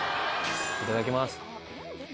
いただきます。